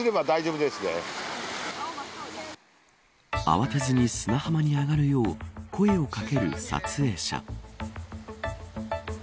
慌てずに砂浜に上がるよう声をかける撮影者。